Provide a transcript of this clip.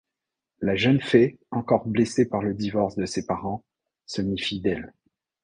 La jeune fée, encore blessée par le divorce de ses parents, se méfie d'elle.